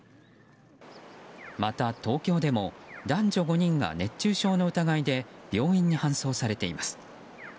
また、東京でも男女５人が熱中症の疑いで病院に搬送されています。